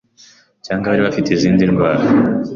cyangwa abari bafite izindi ndwara